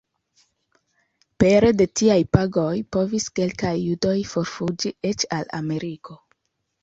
Pere de tiaj pagoj povis kelkaj judoj forfuĝi eĉ al Ameriko.